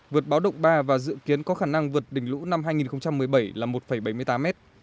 vượt báo động ba và dự kiến có khả năng vượt đỉnh lũ năm hai nghìn một mươi bảy là một bảy mươi tám m